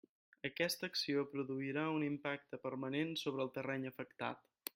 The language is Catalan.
Aquesta acció produirà un impacte permanent sobre el terreny afectat.